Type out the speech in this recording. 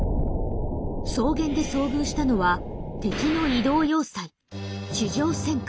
草原で遭遇したのは敵の移動要塞地上戦艦。